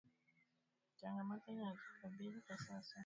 ngamoto inayotukabili kwa sasa